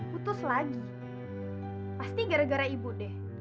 putus lagi pasti gara gara ibu deh